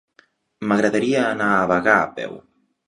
M'agradaria anar a Bagà a peu.